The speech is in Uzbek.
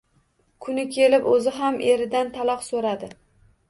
Kun kelib oʻzi ham eridan taloq soʻradi.